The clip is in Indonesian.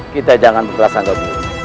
kita jangan berkeras anggap